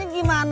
ya udah kang